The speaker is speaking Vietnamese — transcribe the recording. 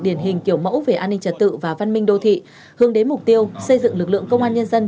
điển hình kiểu mẫu về an ninh trật tự và văn minh đô thị hướng đến mục tiêu xây dựng lực lượng công an nhân dân